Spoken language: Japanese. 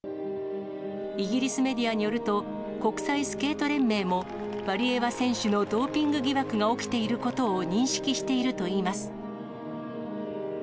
イギリスメディアによると、国際スケート連盟も、ワリエワ選手のドーピング疑惑が起きていることを認識しているといいます。